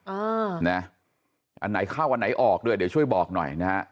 อ่านะอันไหนเข้าอันไหนออกด้วยเดี๋ยวช่วยบอกหน่อยนะฮะ